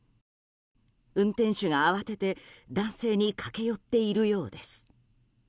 運転手が慌てて男性に駆け寄っているようです。